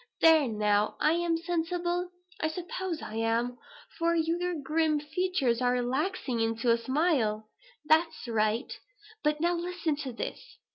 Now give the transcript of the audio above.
There now, am I sensible? I suppose I am, for your grim features are relaxing into a smile. That's right. But now listen to this.